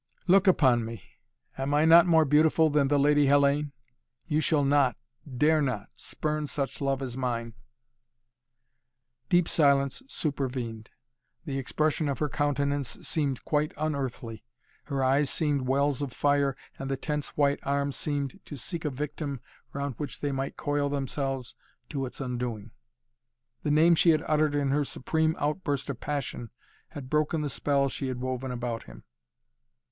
"Look upon me! Am I not more beautiful than the Lady Hellayne? You shall not dare not spurn such love as mine!" Deep silence supervened. The expression of her countenance seemed quite unearthly; her eyes seemed wells of fire and the tense white arms seemed to seek a victim round which they might coil themselves to its undoing. The name she had uttered in her supreme outburst of passion had broken the spell she had woven about him.